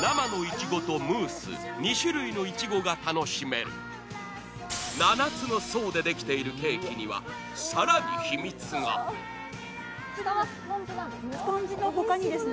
生のいちごとムース２種類のいちごが楽しめる７つの層でできているケーキにはさらに秘密が下はスポンジなんですか？